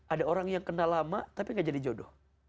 ada orang yang kenal lama tapi gak jadi jodoh